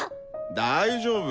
大丈夫！